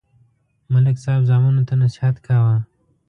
ملک صاحب زامنو ته نصحت کاوه